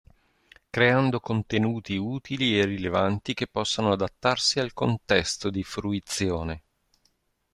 Creando contenuti utili e rilevanti che possano adattarsi al contesto di fruizione.